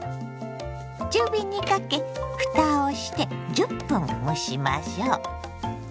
中火にかけふたをして１０分蒸しましょ。